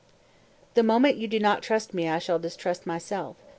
185. "The moment you do not trust me I shall distrust myself.